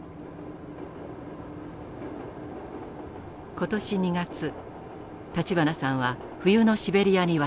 今年２月立花さんは冬のシベリアに渡りました。